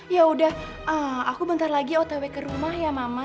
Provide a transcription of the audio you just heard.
yaudah aku bentar lagi otw ke rumah ya mama